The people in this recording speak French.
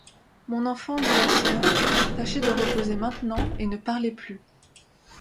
Mon enfant, dit la soeur, tâchez de reposer maintenant, et ne parlez plus.